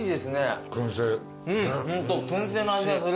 ホント薫製の味がする。